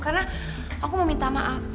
karena aku mau minta maaf